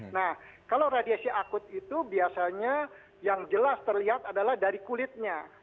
nah kalau radiasi akut itu biasanya yang jelas terlihat adalah dari kulitnya